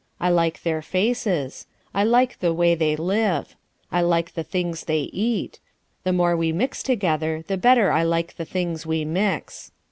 I like their faces. I like the way they live. I like the things they eat. The more we mix together the better I like the things we mix.